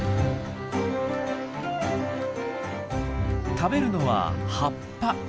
食べるのは葉っぱ。